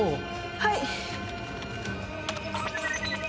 はい！